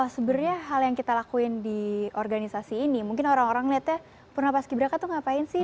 sebenarnya hal yang kita lakuin di organisasi ini mungkin orang orang melihatnya purna pas ki braka itu ngapain sih